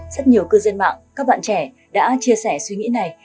rất nhiều cư dân mạng các bạn trẻ đã chia sẻ suy nghĩ này